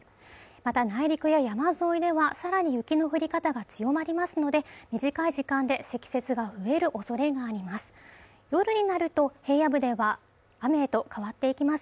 また内陸や山沿いではさらに雪の降り方が強まりますので短い時間で積雪が増えるおそれがあります